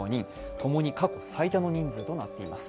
ともに過去最多の人数となっています。